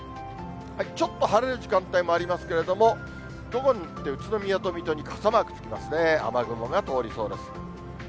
ちょっと晴れる時間帯もありますけれども、午後になって宇都宮と水戸に傘マークつきますね、雨雲が通りそうです。